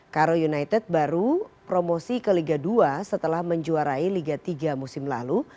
karo united baru promosi ke liga dua setelah menjuarai liga tiga musim lalu